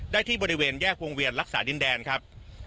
ที่บริเวณแยกวงเวียนรักษาดินแดนครับ